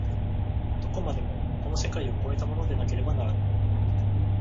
どこまでもこの世界を越えたものでなければならない。